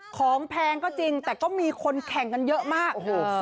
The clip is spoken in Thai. แพงก็จริงแต่ก็มีคนแข่งกันเยอะมาก